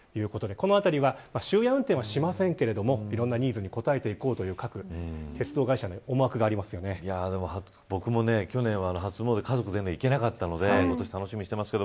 このあたりは終夜運転はしませんがいろんなニーズに応えていこうという僕も去年は初詣に家族で行けなかったので今年は楽しみにしています。